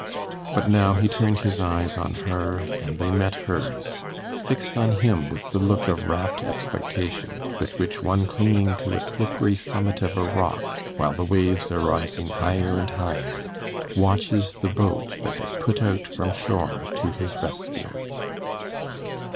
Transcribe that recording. But now he turned his eyes on her, and they met hers, fixed on him with the look of rapt expectation, with which one clinging to a slippery summit of a rock, while the waves are rising higher and higher, watches the boat that has put from shore to his rescue.